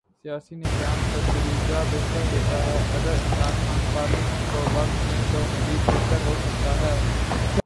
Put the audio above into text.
سیاسی نظام تدریجا بہتر ہوتا ہے اگر عمران خان پارلیمنٹ کو وقت دیں تو مزید بہتر ہو سکتا ہے۔